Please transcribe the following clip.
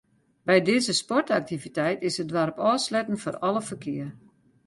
By dizze sportaktiviteit is it doarp ôfsletten foar alle ferkear.